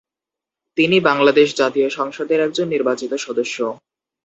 তিনি বাংলাদেশ জাতীয় সংসদের একজন নির্বাচিত সদস্য।